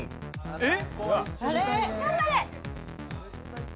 えっ？